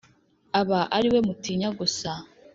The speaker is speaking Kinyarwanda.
abe ari we mutinya gusa